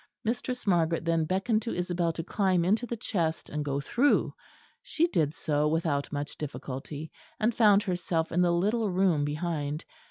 Mistress Margaret then beckoned to Isabel to climb into the chest and go through; she did so without much difficulty, and found herself in the little room behind.